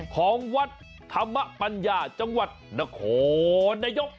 ของวัดธรรมปัญญาจังหวัดนครนายก